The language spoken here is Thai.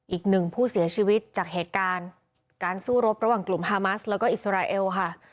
อีกหนึ่งผู้เสียชีวิตจากเหตุการณ์การสู้รบระหว่างกลุ่มฮามัสแล้วก็อิสราเอลค่ะ